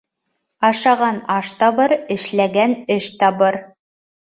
Ашаған аш табыр, эшләгән эш табыр.